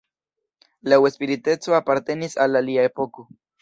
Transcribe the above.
Laŭ spiriteco apartenis al alia epoko.